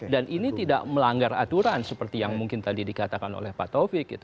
dan ini tidak melanggar aturan seperti yang mungkin tadi dikatakan oleh pak taufik